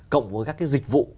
cộng với các dịch vụ